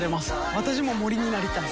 私も森になりたい。